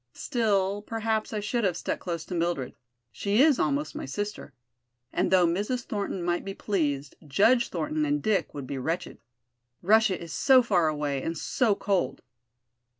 Still, perhaps I should have stuck close to Mildred; she is almost my sister. And though Mrs. Thornton might be pleased, Judge Thornton and Dick would be wretched. Russia is so far away and so cold."